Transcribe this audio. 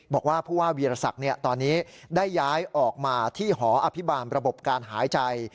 บอกว่าผู้ว่าวีรศักดิ์ตอนนี้ได้ย้ายออกมาที่หออภิบาลระบบการหายใจ